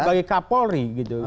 sebagai kapolri gitu